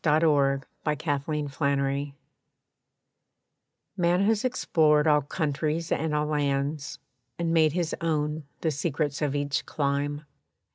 =The Undiscovered Country= Man has explored all countries and all lands, And made his own the secrets of each clime.